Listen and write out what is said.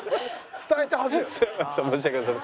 伝えたはずよね？